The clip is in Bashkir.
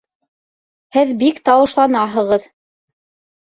Һеҙ бик тауышланаһығыҙ